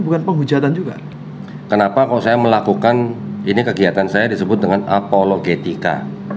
bukan penghujatan juga kenapa kok saya melakukan ini kegiatan saya disebut dengan apologetika